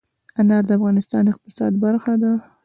انار د افغانستان د اقتصاد برخه ده.